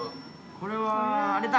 これはあれだ！